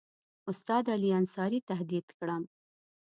استاد علي انصاري تهدید کړم.